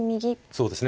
そうですね。